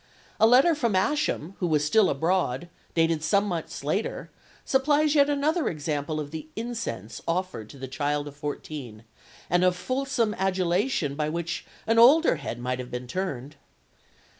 A letter from Ascham, who was still abroad, dated some months later, supplies yet another example of the incense offered to the child of fourteen, and of fulsome adulation by which an older head might have been turned.